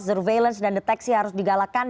surveillance dan deteksi harus digalakan